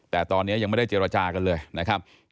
แต่ตอนนี้ยังไม่ได้เจรจากันเลยนะครับ